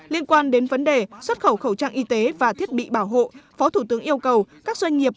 liên quan đến vấn đề xuất khẩu khẩu trang y tế và thiết bị bảo hộ phó thủ tướng yêu cầu các doanh nghiệp